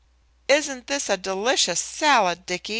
"Isn't this delicious salad, Dicky?"